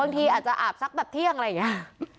ทีอาจจะอาบสักแบบเที่ยงอะไรอย่างนี้